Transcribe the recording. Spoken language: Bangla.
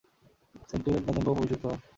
সেন্ট ক্লিমেন্ট নতুন পোপ অভিষিক্ত হন।